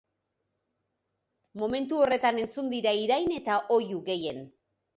Momentu horretan entzun dira irain eta oihu gehien.